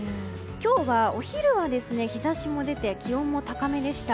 今日はお昼は日差しも出て気温も高めでした。